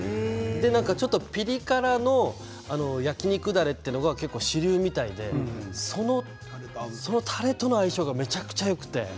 なんかちょっとピリ辛の焼き肉だれというのが主流みたいでそのたれとの相性がめちゃくちゃよくて。